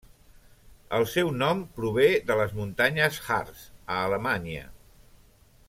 El seu nom prové de les muntanyes Harz, a Alemanya.